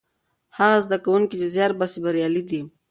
هغه زده کوونکي چې زیار باسي بریالي دي.